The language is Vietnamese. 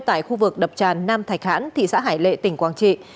tại khu vực đập tràn nam thạch hãn thị xã hải lệ tỉnh quảng trị